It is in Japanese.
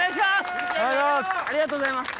・ありがとうございます